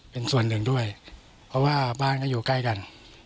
เป็นส่วนหนึ่งด้วยเพราะว่าบ้านก็อยู่ใกล้กัน